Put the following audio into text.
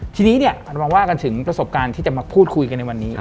ทีนี้เนี่ยเราว่ากันถึงประสบการณ์ที่จะมาพูดคุยกันในวันนี้